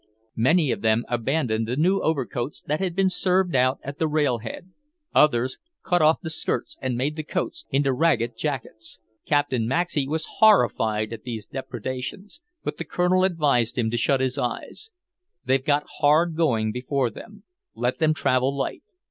Many of them abandoned the new overcoats that had been served out at the railhead; others cut off the skirts and made the coats into ragged jackets. Captain Maxey was horrified at these depredations, but the Colonel advised him to shut his eyes. "They've got hard going before them; let them travel light.